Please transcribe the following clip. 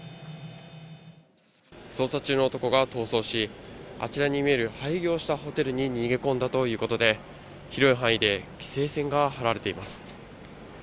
捜査中の男が逃走し、あちらに見える廃業したホテルに逃げ込んだということで、広い範囲で規制線が張られています。